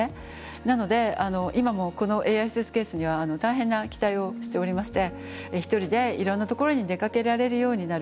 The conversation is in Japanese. なので今もこのＡＩスーツケースには大変な期待をしておりまして一人でいろんなところに出かけられるようになる。